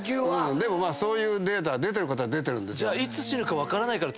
でもそういうデータが出てることは出てるんですよ。